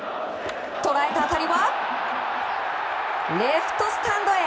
捉えた当たりはレフトスタンドへ。